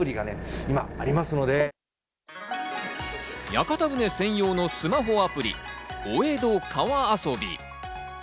屋形船専用のスマホアプリ、お江戸川遊び。